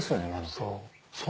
そう。